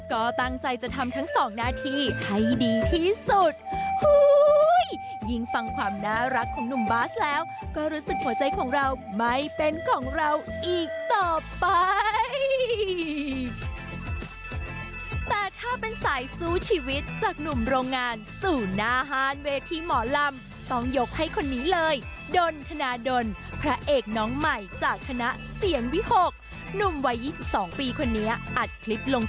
ก็ตั้งใจจะทำทั้งสองหน้าที่ให้ดีที่สุด